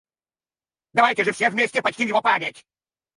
Давайте же все вместе почтим его память!